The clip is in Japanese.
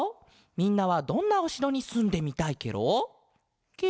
みんなはどんなおしろにすんでみたいケロ？ケ？